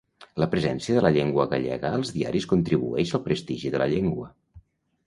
La presència de la llengua gallega als diaris contribueix al prestigi de la llengua.